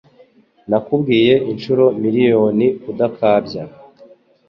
Nakubwiye inshuro miriyoni kudakabya